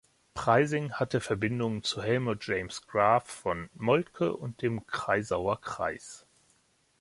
Preysing hatte Verbindungen zu Helmuth James Graf von Moltke und dem Kreisauer Kreis.